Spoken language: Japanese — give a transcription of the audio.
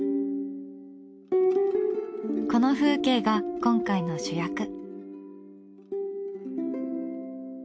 この風景が今回の主役。